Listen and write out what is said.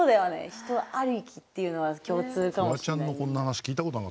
人ありきっていうのは共通かもしんない。